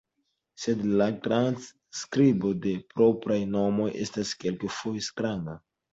Sed la transskribo de propraj nomoj estas kelkfoje stranga.